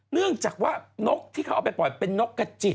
เนื่องจากว่านกที่เขาเอาไปปล่อยเป็นนกกระจิต